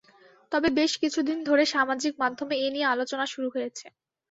তবে বেশ কিছুদিন ধরে সামাজিক মাধ্যমে এ নিয়ে আলোচনা শুরু হয়েছে।